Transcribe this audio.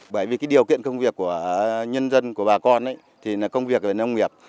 bởi vì cái điều kiện công việc của nhân dân của bà con thì là công việc ở nông nghiệp